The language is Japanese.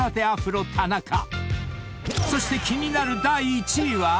［そして気になる第１位は］